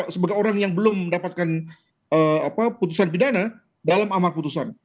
sebagai orang yang belum mendapatkan putusan pidana dalam amal putusan